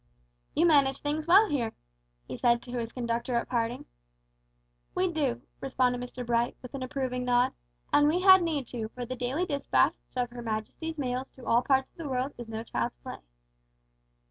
"You manage things well here," he said to his conductor at parting. "We do," responded Mr Bright, with an approving nod; "and we had need to, for the daily despatch of Her Majesty's mails to all parts of the world is no child's play.